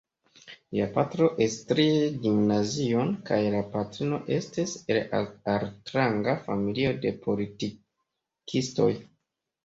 Lia patro estris gimnazion kaj la patrino estis el altranga familio de politikistoj.